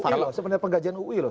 uu loh sebenarnya penggajian uu loh